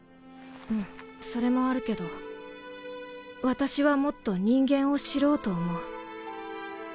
うんそれもあるけど私はもっと人間を知ろうと思う。